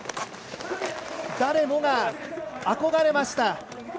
誰もが憧れました。